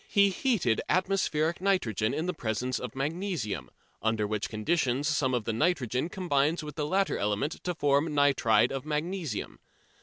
He heated atmospheric nitrogen in the presence of magnesium, under which conditions some of the nitrogen combines with the latter element to form nitride of magnesium.